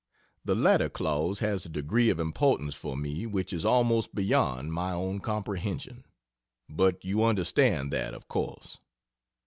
The latter clause has a degree of importance for me which is almost beyond my own comprehension. But you understand that, of course.